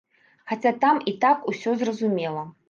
Хаця там і так усё зразумела.